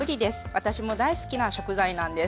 私も大好きな食材なんです。